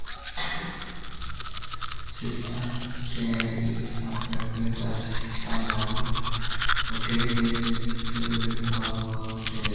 Cistern Cay is a private island located next to Great Harbour Cay.